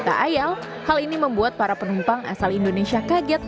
tak ayal hal ini membuat para penumpang asal indonesia kaget